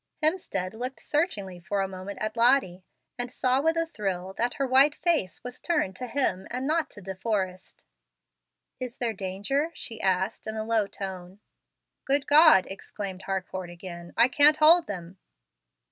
Hemstead looked searchingly for a moment at Lottie, and saw with a thrill that her white face was turned to him and not to De Forrest. "Is there danger?" she asked, in a low tone. "Good God!" exclaimed Harcourt again, "I can't hold them."